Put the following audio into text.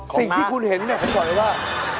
สิ่งที่คุณเห็นหมายถูกดอกเลยว่า